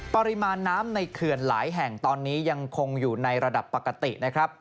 ปริมาณน้ำในเขื่อนหลายแห่งตอนนี้ยังคงอยู่ในระดับปกตินะครับ